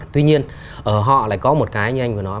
tuy nhiên ở họ lại có một cái như anh vừa nói